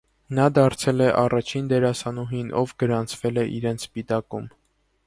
Նա դարձել է առաջին դերասանուհին, ով գրանցվել է իրենց պիտակում։